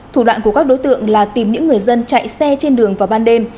thủ đoạn của các đối tượng là tìm những người dân chạy xe trên đường vào ban đêm